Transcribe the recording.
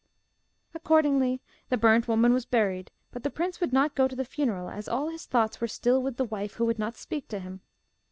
Accordingly the burnt woman was buried, but the prince would not go to the funeral as all his thoughts were still with the wife who would not speak to him.